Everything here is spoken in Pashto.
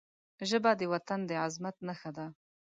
ژبه د وطن د عظمت نښه ده